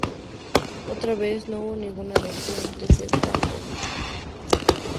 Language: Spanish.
Otra vez no hubo ninguna reacción desde Bamberg.